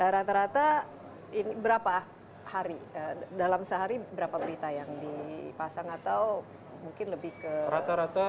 rata rata berapa hari dalam sehari berapa berita yang dipasang atau mungkin lebih ke